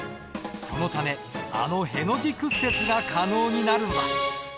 そのためあのへの字屈折が可能になるのだ。